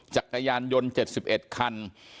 จักรยานยนต์เจ็ดสิบเอ็ดคัน